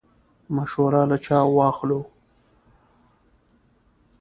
مشوره له چا واخلو؟